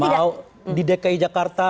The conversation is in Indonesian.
mau di dki jakarta